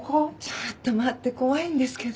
ちょっと待って怖いんですけど。